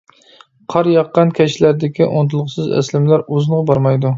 قار ياغقان كەچلەردىكى ئۇنتۇلغۇسىز ئەسلىمىلەر ئۇزۇنغا بارمايدۇ.